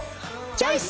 チョイス！